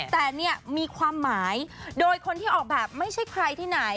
แต่เนี่ยมีความหมายโดยคนที่ออกแบบไม่ใช่ใครที่ไหน